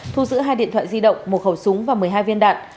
thu giữ hai điện thoại di động một khẩu súng và một mươi hai viên đạn